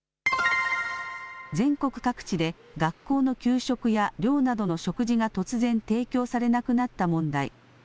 全国各地で学校の給食や寮などの食事が突然、提供されなくなった問題。